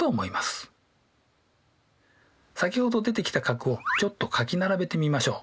先ほど出てきた角をちょっと書き並べてみましょう。